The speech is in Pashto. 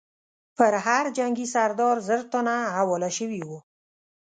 پر هر جنګي سردار زر تنه حواله شوي وو.